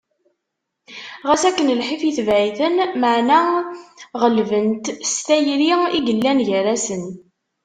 Ɣas akken lḥif, yetbeε-iten, meɛna γelben-t s tayri i yellan gar-asen.